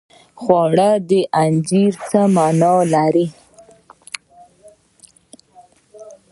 د خوړو زنځیر څه مانا لري